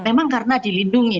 memang karena dilindungi